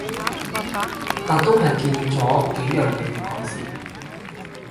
但都係建議左幾樣野要改善